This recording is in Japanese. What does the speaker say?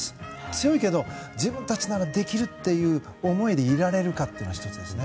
強いけど、自分たちならできるっていう思いでいられるかというのが１つです。